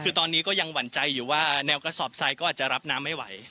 คือตอนนี้ก็ยังหวั่นใจอยู่ว่าแนวกระสอบทรายก็อาจจะรับน้ำไม่ไหว